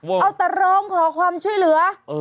เอาตะโรงขอความช่วยเหลือ